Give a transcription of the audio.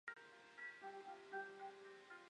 有人在抢卫生纸抢到打架